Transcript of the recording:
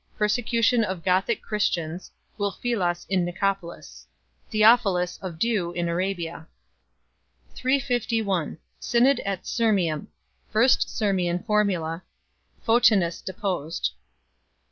Persecution of Gothic Chris tians. Ulfilas in Nicopolis. Theophilus of Diu in Arabia. 351 Synod at Sirmium. First Sirmian Formula. Photinus deposed.